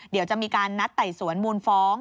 เดี๋ยวจะมีการนัดไต่สวนมูลฟ้อง